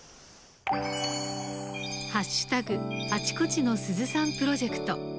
あちこちのすずさん」プロジェクト。